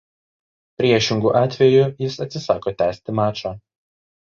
Priešingu atveju jis atsisako tęsti mačą.